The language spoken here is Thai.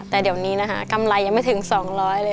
แต่เดี๋ยวนี้นะคะกล้ายงานไม่ถึง๒ร้อยเลยค่ะ